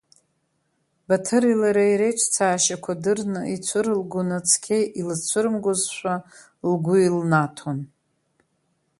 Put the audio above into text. Баҭыри лареи реиҿцаашьақәа дырны ицәырылгоны цқьа илызцәырымгозшәа лгәы илнаҭон.